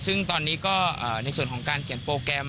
ซึ่งตอนนี้ก็ในส่วนของการเขียนโปรแกรม